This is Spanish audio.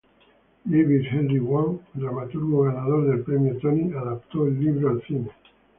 David Henry Hwang, dramaturgo ganador del Premio Tony, adaptó el libro al cine.